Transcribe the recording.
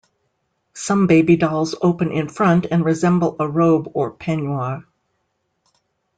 Some babydolls open in front and resemble a robe or peignoir.